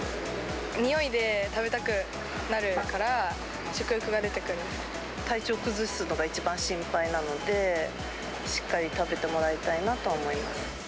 匂いで食べたくなるから、体調崩すのが一番心配なので、しっかり食べてもらいたいなと思います。